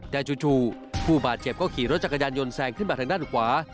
แต่จู่ผู้บาดเจ็บก็ขี่รถจักรยานยนต์แซงขึ้นมาทางด้านขวา